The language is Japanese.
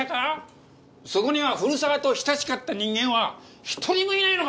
そこには古沢と親しかった人間は１人もいないのか？